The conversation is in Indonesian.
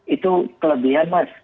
itu kelebihan mas